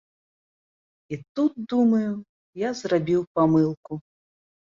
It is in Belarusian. І тут, думаю, я зрабіў памылку.